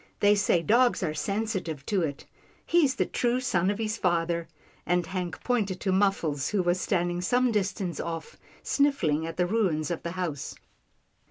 They say dogs are sensitive to it. He's the true son of his father,'* 260 'TILDA JANE'S ORPHANS and Hank pointed to Muffles who was standing some distance off, sniffing at the ruins of the house.